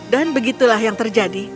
dan begitulah yang terjadi